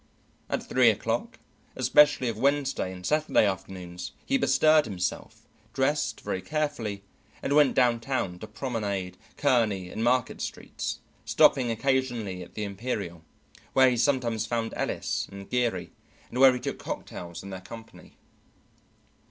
At three o'clock, especially of Wednesday and Saturday afternoons, he bestirred himself, dressed very carefully, and went downtown to promenade Kearney and Market streets, stopping occasionally at the Imperial, where he sometimes found Ellis and Geary and where he took cocktails in their company.